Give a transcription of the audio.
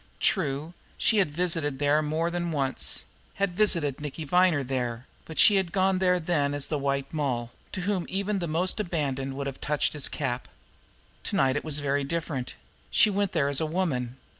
True, she had visited there more than once, had visited Nicky Viner there; but she had gone there then as the White Moll, to whom even the most abandoned would have touched his cap. To night it was very different she went there as a woman.